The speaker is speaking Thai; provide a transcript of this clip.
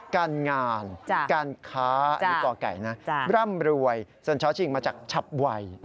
การงานการค้ากไก่ร่ำรวยส่วนชชิงมาจากชับวัย